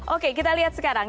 oke kita lihat sekarang